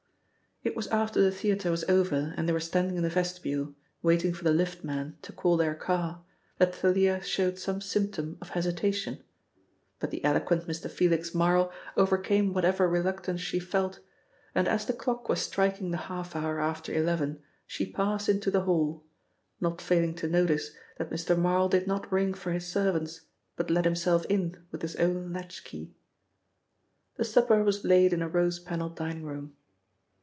It was after the theatre was over and they were standing in the vestibule, waiting for the lift man to call their car, that Thalia showed some symptom of hesitation, but the eloquent Mr. Felix Marl overcame whatever reluctance she felt, and as the clock was striking the half hour after eleven she passed into the hall, not failing to notice that Mr. Marl did not ring for his servants, but let himself in with his own latchkey. The supper was laid in a rose panelled dining room.